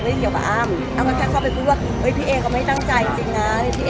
เพราะว่าเรื่องนี้มันมีแค่นี้